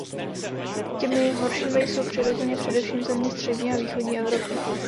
Těmi horšími jsou, přirozeně, především země střední a východní Evropy.